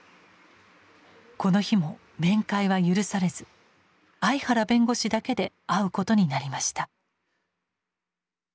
この日も面会は許されず相原弁護士だけで会うことになりました。